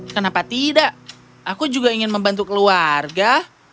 kenapa tidak aku juga ingin membantu keluarga